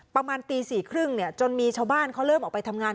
ประมาณตีสี่ครึ่งเนี่ยจนมีชาวบ้านเขาเริ่มออกไปทำงาน